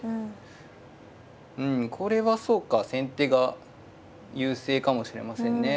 うんこれはそうか先手が優勢かもしれませんね。